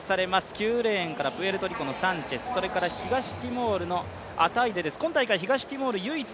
９レーンからプエルトリコのサンチェス、それから東ティモールのアタイデです。